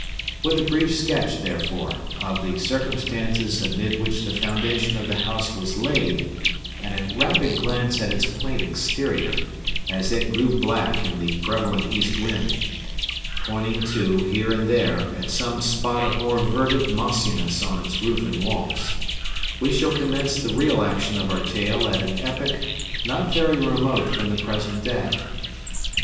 With a brief sketch, therefore, of the circumstances amid which the foundation of the house was laid, and a rapid glimpse at its quaint exterior, as it grew black in the prevalent east wind,—pointing, too, here and there, at some spot of more verdant mossiness on its roof and walls,—we shall commence the real action of our tale at an epoch not very remote from the present day.